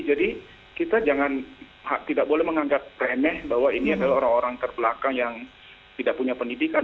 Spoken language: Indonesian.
jadi kita tidak boleh menganggap remeh bahwa ini adalah orang orang terbelakang yang tidak punya pendidikan